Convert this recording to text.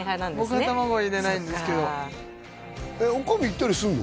僕は卵は入れないんですけどえっ女将行ったりするの？